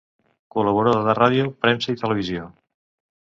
Col·laborador de ràdio, premsa i televisió.